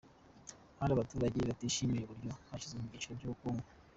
Hari abaturage batishimiye uburyo bashyizwe mu byiciro by’ubukungu